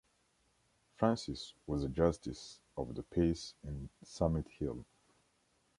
Francis was a Justice of the Peace in Summit Hill.